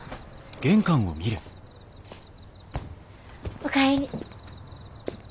お帰り。